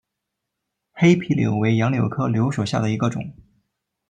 黑皮柳为杨柳科柳属下的一个种。